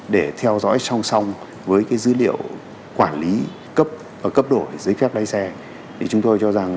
để theo dõi song song với dữ liệu quản lý cấp và cấp đổi giấy phép lái xe thì chúng tôi cho rằng